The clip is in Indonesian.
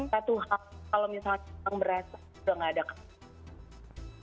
satu hal kalau misalnya orang berasa udah gak ada kebenaran